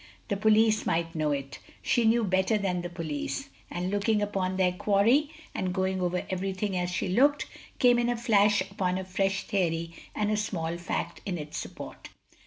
The police might know it. She knew better than the police; and looking upon their quarry, and going over everything as she looked, came in a flash upon a fresh theory and a small fact in its support.